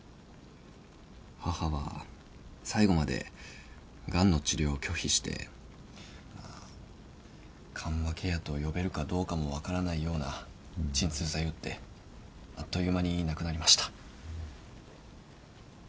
母は最後までがんの治療を拒否して緩和ケアと呼べるかどうかも分からないような鎮痛剤打ってあっという間に亡くなりました。